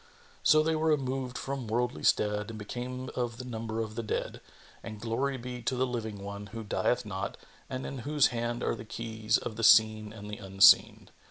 So they were removed from worldly stead and became of the number of the dead; and glory be to the Living One, who dieth not and in whose hand are the keys of the Seen and the Unseen!